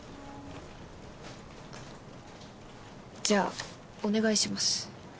じゃあお願いします。